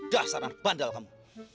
dah saran bandel kamu